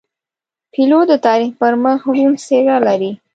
پیلوټ د تاریخ پر مخ روڼ څېره لري.